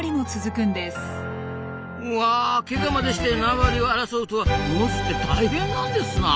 うわけがまでして縄張りを争うとはモズって大変なんですなあ。